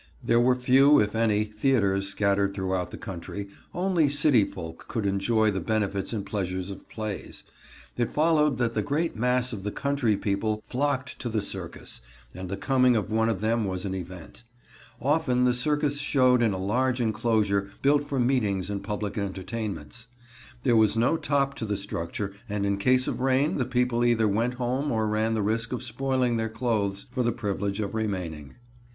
There were few, if any, theaters scattered throughout the country. Only city folk could enjoy the benefits and pleasures of plays. It followed that the great mass of the country people flocked to the circus, and the coming of one of them was an event. Often the circus showed in a large inclosure built for meetings and public entertainments. There was no top to the structure and in case of rain the people either went home or ran the risk of spoiling their clothes for the privilege of remaining.